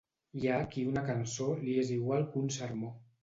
Hi ha qui una cançó li és igual que un sermó.